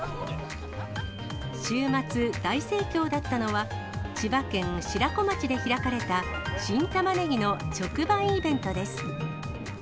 週末、大盛況だったのは、千葉県白子町で開かれた新たまねぎの直売イベントです。